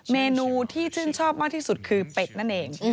เมนูที่ชื่นชอบมากที่สุดคือเป็ดนั่นเอง